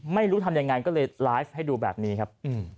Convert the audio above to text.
ไม่รู้ทำยังไงก็เลยไลฟ์ให้ดูแบบนี้ครับ